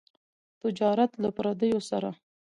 تجارت له پرديو سره.